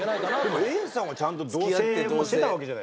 でもＡさんはちゃんと同棲もしてたわけじゃないですか。